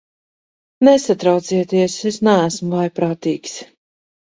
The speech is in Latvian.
Nesatraucieties, es neesmu vājprātīgs.